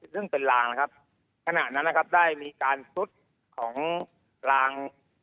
ซึ่งเป็นลางนะครับขณะนั้นนะครับได้มีการซุดของราง